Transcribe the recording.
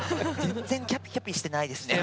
全然キャピキャピしてないですね。